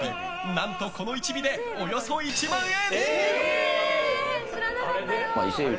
何と、この１尾でおよそ１万円！